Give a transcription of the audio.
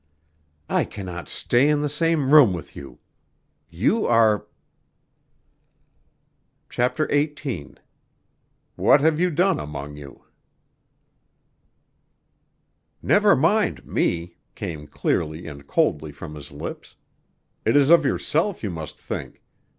"I cannot stay in the same room with you. You are " CHAPTER XVIII "What have you done among you" "Never mind me," came clearly and coldly from his lips. "It is of yourself you must think.